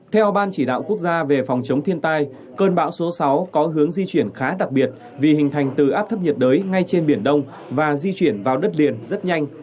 theo ban chỉ đạo quốc gia về phòng chống thiên tai cơn bão số sáu có hướng di chuyển khá đặc biệt vì hình thành từ áp thấp nhiệt đới ngay trên biển đông và di chuyển vào đất liền rất nhanh